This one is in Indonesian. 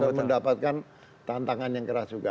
dan mendapatkan tantangan yang keras juga